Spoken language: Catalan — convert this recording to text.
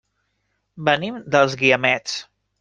Venim dels Guiamets.